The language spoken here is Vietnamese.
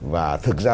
và thực ra